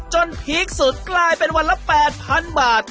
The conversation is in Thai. พีคสุดกลายเป็นวันละ๘๐๐๐บาท